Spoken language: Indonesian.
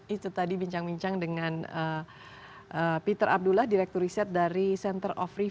itu tadi bincang bincang dengan peter abdullah direktur riset dari center of revie